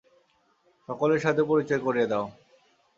সকলের সাথে পরিচয় করিয়ে দাও।